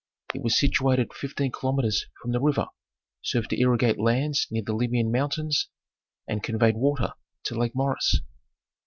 It was situated fifteen kilometres from the river, served to irrigate lands near the Libyan mountains, and conveyed water to Lake Moeris.